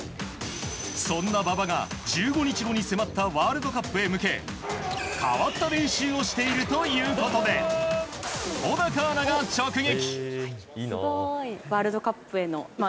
そんな馬場が１５日後に迫ったワールドカップへ向け変わった練習をしているということで小高アナが直撃。